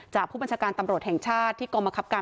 จากผู้บรรชการตำรวจแห่งชาติที่กรมกรรมการปรับราม